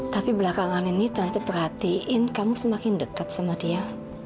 tapi belakangan ini tante perhatiin kamu semakin dekat sama dia